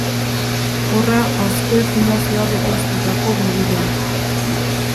Horra Azkue Fundazioak ekoiztutako bi bideo.